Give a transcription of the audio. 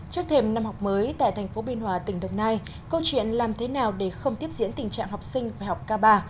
trước thêm năm học mới tại thành phố biên hòa tỉnh đồng nai câu chuyện làm thế nào để không tiếp diễn tình trạng học sinh phải học ca ba